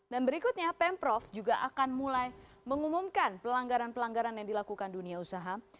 dan berikutnya pemprov juga akan mulai mengumumkan pelanggaran pelanggaran yang dilakukan dunia usaha